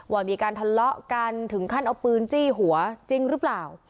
ว่ามีการทะเลาะกันถึงขั้นเอาปืนจี้หัวจริงหรือเปล่า